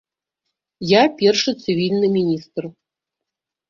Я першы цывільны міністр.